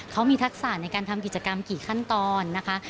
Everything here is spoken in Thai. เขามีทักษะในการทำกิจกรรมกี่ขั้นตอนนะคะ